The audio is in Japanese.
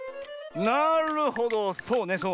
なるほどそうねそう。